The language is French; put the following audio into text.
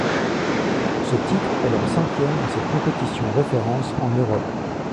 Ce titre est leur cinquième dans cette compétition référence en Europe.